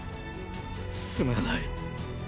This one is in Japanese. すまない。